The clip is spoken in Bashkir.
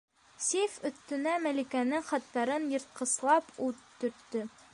Сейф өҫтөнә Мәликәнең хаттарын йыртҡыслап ут төрттө.